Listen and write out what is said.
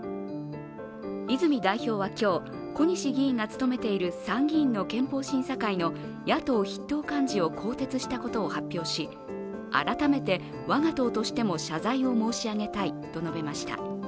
泉代表は今日、小西議員が務めている参議院の憲法審査会の野党筆頭幹事を更迭したことを発表し改めて我が党としても謝罪を申し上げたいと述べました。